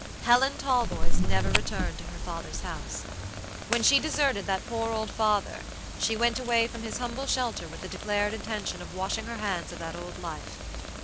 Helen Talboys never returned to her father's house. When she deserted that poor old father, she went away from his humble shelter with the declared intention of washing her hands of that old life.